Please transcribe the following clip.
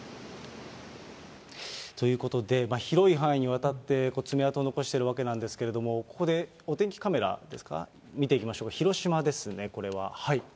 ということで、広い範囲にわたって爪痕を残しているわけなんですけれども、ここでお天気カメラですか、見ていきましょう、広島ですね、これは。